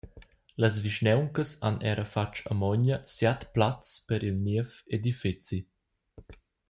Las vischnauncas han era fatg amogna siat plazs per il niev edifeci.